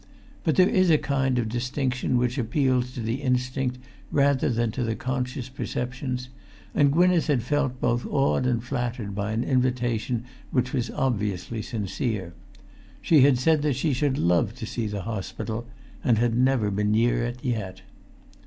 But there is a kind of distinction which appeals to the instinct rather than to the conscious perceptions, and Gwynneth had felt both awed and flattered by an invitation which was obviously sincere. She had said that she should love to see the hospital—and had never been near it yet.